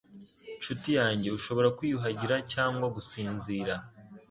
nshuti yanjye - ushobora kwiyuhagira cyangwa gusinzira.”